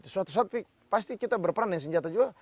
suatu saat pasti kita berperan dengan senjata juga